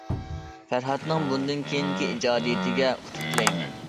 پەرھاتنىڭ بۇندىن كېيىنكى ئىجادىيىتىگە ئۇتۇق تىلەيمەن.